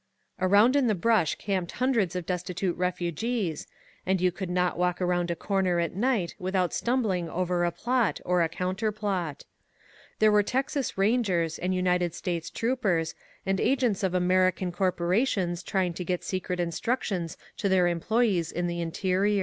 Around im the brush camped hundreds of destitute refugees, and you could not walk around ^a corner at night with out stimibling over a plot or a counterplot. There were Texas rangers, and United States troopers, and agents of American corporations trying to get secret instructions to their employees in the interior.